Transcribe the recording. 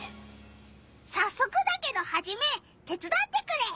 さっそくだけどハジメ手つだってくれ！